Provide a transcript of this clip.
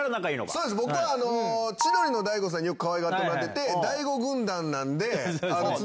そうです、僕は千鳥の大悟さんによくかわいがってもらってて、大悟軍団なんで。